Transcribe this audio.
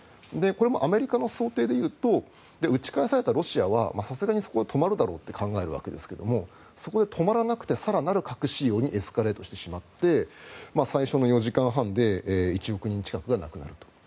これもアメリカの想定で言うと撃ち返されたロシアはさすがにそこは止まるだろうと考えるわけですがそこで止まらなくて更なる核使用にエスカレートしてしまって最初の４時間半で１億人近くが亡くなると。